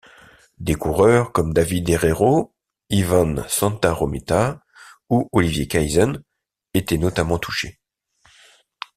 Des coureurs comme David Herrero, Ivan Santaromita, ou Olivier Kaisen étaient notamment touchés.